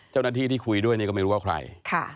เจ้าหน้าที่ที่คุยด้วยนี่ก็ไม่รู้ว่าใคร